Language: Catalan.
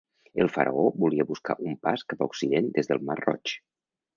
El faraó volia buscar un pas cap a occident des del mar Roig.